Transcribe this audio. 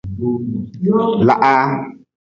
Lahaa.